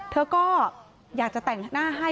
เธอก็อยากจะแต่งหน้าให้